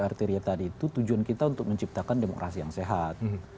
kalau mengutip apa yang sebelumnya tadi itu tujuan kita untuk menciptakan demokrasi yang sehat